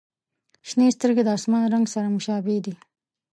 • شنې سترګې د آسمان رنګ سره مشابه دي.